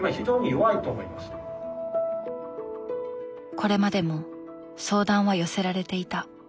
これまでも相談は寄せられていた。